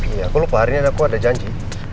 iya aku lupa hari ini aku ada janji